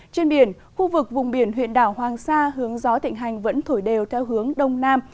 trên biển khu vực vùng biển huyện đảo hoàng sa hướng gió thịnh hành vẫn thổi đều theo hướng đông nam